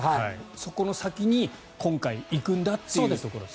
そこの先に今回行くんだっていうところですね。